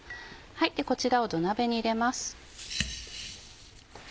こちらを土鍋に入れます。